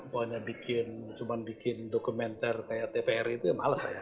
pokoknya bikin cuma bikin dokumenter kayak tvri itu ya males saya